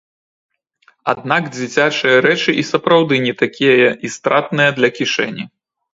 Аднак дзіцячыя рэчы і сапраўды не такія і стратныя для кішэні!